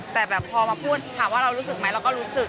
แต่แบบพอมาพูดถามว่าเรารู้สึกไหมเราก็รู้สึก